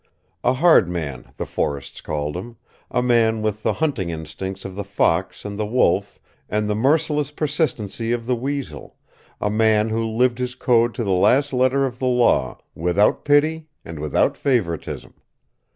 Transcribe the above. A hard man, the forests called him; a man with the hunting instincts of the fox and the wolf and the merciless persistency of the weazel a man who lived his code to the last letter of the law, without pity and without favoritism.